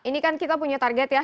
ini kan kita punya target ya